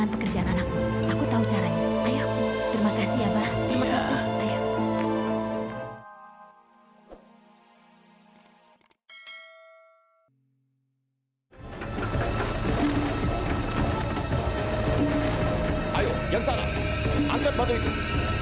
hei yang itu yang itu ayo cepat jangan males malesan